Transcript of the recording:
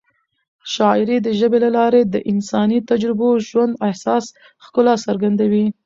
شاعري د ژبې له لارې د انساني تجربو، ژوند او احساس ښکلا څرګندوي.